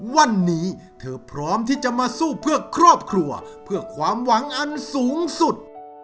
วันนี้เธอพร้อมที่จะมาสู้เพื่อครอบครัวเพื่อความหวังอันสูงสุด